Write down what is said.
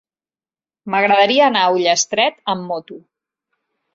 M'agradaria anar a Ullastret amb moto.